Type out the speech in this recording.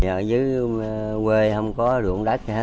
ở dưới quê không có ruộng đất hết á